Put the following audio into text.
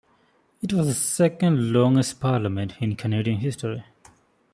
It was the second longest parliament in Canadian history.